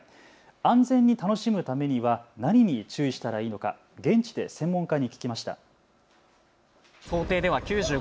安全に楽しむためには何に注意したらいいのか現地で専門家に聞きました。